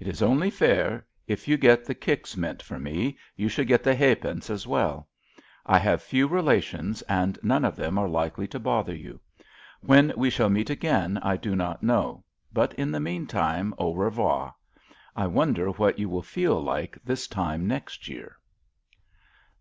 It is only fair if you get the kicks meant for me, you should get the ha'pence as well. I have few relations, and none of them are likely to bother you. When we shall meet again I do not know, but, in the meantime, au revoir. I wonder what you will feel like this time next year?"